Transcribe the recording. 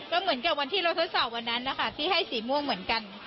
ก็เหมือนกับวันที่เราทดสอบวันนั้นนะคะที่ให้สีม่วงเหมือนกัน